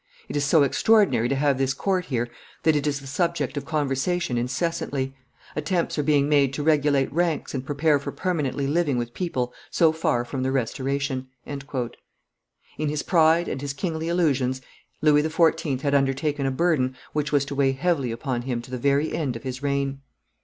It is so extraordinary to have this court here that it is the subject of conversation incessantly. Attempts are being made to regulate ranks and prepare for permanently living with people so far from their restoration." In his pride and his kingly illusions, Louis XIV. had undertaken a burden which was to weigh heavily upon him to the very end of his reign.